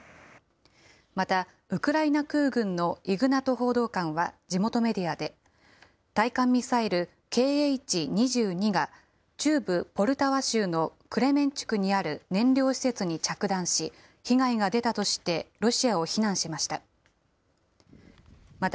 また、ウクライナ空軍のイグナト報道官は地元メディアで、対艦ミサイル、Ｋｈー２２が、中部ポルタワ州のクレメンチュクにある燃料施設に着弾し、被害が出たとして、ロシアを非難しました。